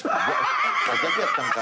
「逆やったんか」